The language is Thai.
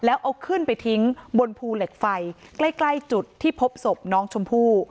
แล้วเอาขึ้นไปทิ้งบนภูเหล็กไฟใกล้จุดที่พบศพน้องชมพู่